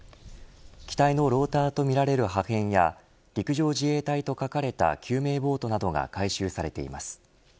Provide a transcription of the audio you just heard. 機体のローターとみられる破片や陸上自衛隊と書かれた救命ボートなどが回収されています。